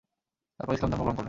তারপর ইসলাম ধর্ম গ্রহণ করলেন।